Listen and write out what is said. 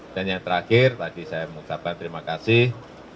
dan yang terakhir tadi saya mengucapkan terima kasih